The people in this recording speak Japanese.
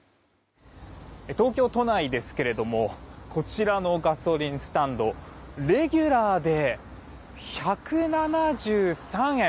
東京都内ですがこちらのガソリンスタンドレギュラーで１７３円。